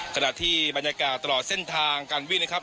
ขณะที่บรรยากาศตลอดเส้นทางการวิ่งนะครับ